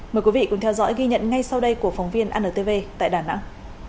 mời quý vị theo dõi ghi nhận ngay sau đây của phóng viên anntv tại đà nẵng